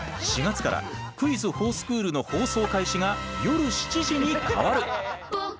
４月から「クイズほぉスクール」の放送開始が夜７時に変わる。